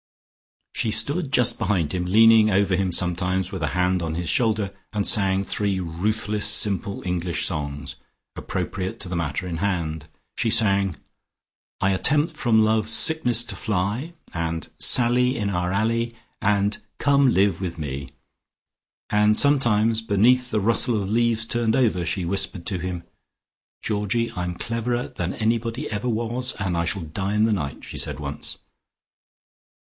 She stood just behind him, leaning over him sometimes with a hand on his shoulder, and sang three ruthless simple English songs, appropriate to the matter in hand. She sang, "I Attempt from Love's Sickness to Fly," and "Sally in Our Alley," and "Come Live with Me," and sometimes beneath the rustle of leaves turned over she whispered to him, "Georgie, I'm cleverer than anybody ever was, and I shall die in the night," she said once.